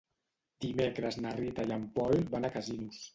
Dimecres na Rita i en Pol van a Casinos.